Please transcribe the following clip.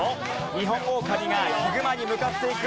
ニホンオオカミがヒグマに向かっていく。